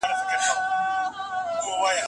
ټولنیز ژوند له پیچلتیاوو ډک دی.